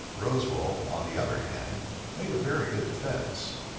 Rosewel, on the other hand, made a very good defence.